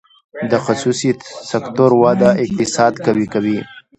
د خصوصي سکتور وده اقتصاد قوي کوي